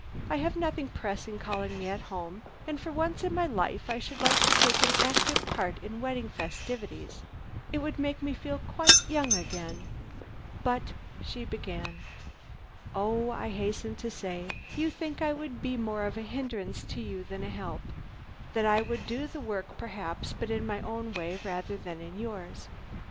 "I have nothing pressing calling me home, and for once in my life I should like to take an active part in wedding festivities. It would make me feel quite young again." "But " she began. "Oh," I hastened to say, "you think I would be more of a hindrance to you than a help; that I would do the work, perhaps, but in my own way rather than in yours.